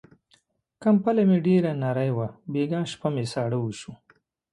کمپله مې ډېره نری وه، بيګاه شپه مې ساړه وشو.